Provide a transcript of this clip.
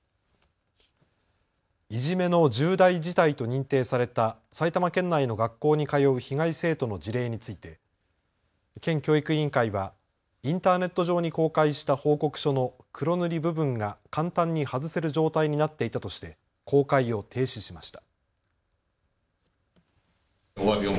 いじめの重大事態と認定された埼玉県内の学校に通う被害生徒の事例について県教育委員会はインターネット上に公開した報告書の黒塗り部分が簡単に外せる状態になっていたとして公開を停止しました。